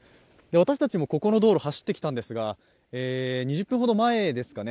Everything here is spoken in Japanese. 私たちもここの道路、走ってきたんですが、２０分ほど前ですかね